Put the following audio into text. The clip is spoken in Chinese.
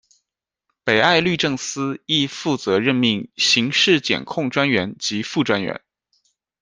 北爱律政司亦负责任命刑事检控专员及副专员。